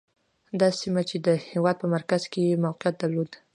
دا سیمه چې د هېواد په مرکز کې یې موقعیت درلود.